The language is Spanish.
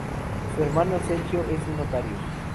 Su hermano Sergio es un notario.